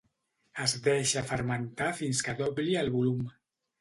Es deixa fermentar fins que dobli el volum.